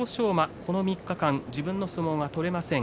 この３日間自分の相撲が取れません。